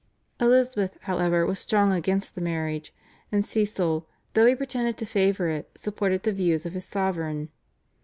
Elizabeth, however, was strong against the marriage, and Cecil, though he pretended to favour it, supported the views of his sovereign.